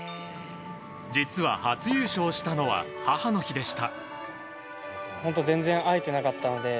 実は初優勝したのは母の日でした。